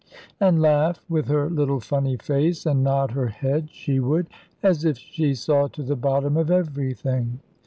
And laugh with her little funny face, and nod her head, she would, as if she saw to the bottom of everything.